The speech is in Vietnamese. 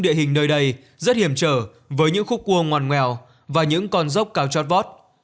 địa hình nơi đây rất hiểm trở với những khúc cua ngoan ngoèo và những con dốc cao chót vót